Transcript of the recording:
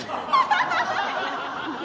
ハハハハ！